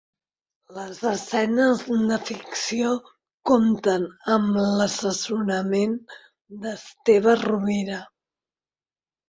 Les escenes de ficció compten amb l'assessorament d'Esteve Rovira.